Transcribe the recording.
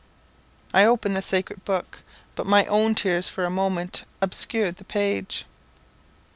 I opened the sacred book, but my own tears for a moment obscured the page.